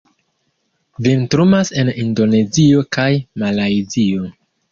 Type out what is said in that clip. Vintrumas en Indonezio kaj Malajzio.